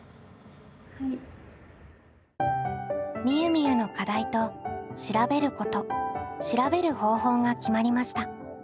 みゆみゆの課題と「調べること」「調べる方法」が決まりました。